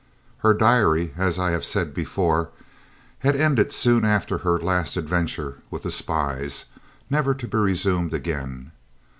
Her diary, as I have said before, had ended soon after her last adventure with the spies, never to be resumed again.